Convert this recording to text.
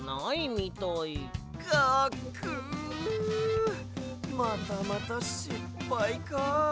ガクまたまたしっぱいか。